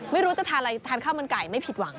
ไม่รู้จะทานอะไรทานข้าวมันไก่ไม่ผิดหวัง